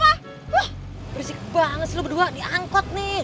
wah berisik banget sih lo berdua diangkut nih